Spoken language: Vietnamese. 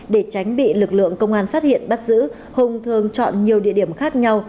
để tránh bị lực lượng công an phát hiện bắt giữ hùng thường chọn nhiều địa điểm khác nhau